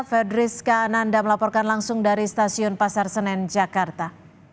fedriska ananda melaporkan langsung dari stasiun pasar senen jakarta